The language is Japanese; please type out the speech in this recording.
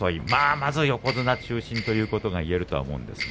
まず横綱中心ということが言えると思いますが。